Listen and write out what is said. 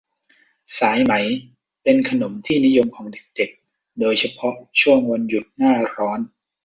สายไหมเป็นขนมที่นิยมของเด็ก ๆ โดยเฉพาะช่วงวันหยุดหน้าร้อน